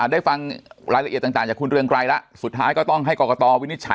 ได้ฟังรายละเอียดต่างจากคุณเรืองไกรแล้วสุดท้ายก็ต้องให้กรกตวินิจฉัย